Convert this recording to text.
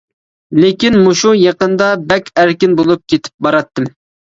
لېكىن مۇشۇ يېقىندا بەك ئەركىن بولۇپ كېتىپ باراتتىم.